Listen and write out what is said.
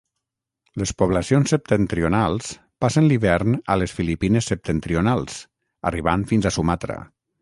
Les poblacions septentrionals passen l'hivern a les Filipines septentrionals, arribant fins a Sumatra.